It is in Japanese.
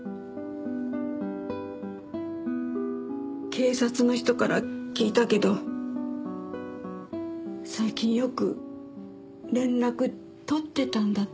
警察の人から聞いたけど最近よく連絡取ってたんだって？